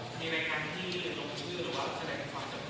ในรายการที่ลงชื่อหรือว่าแสดงความจำน